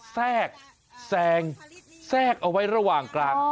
แทรกแทรกแทรกเอาไว้ระหว่างกลาง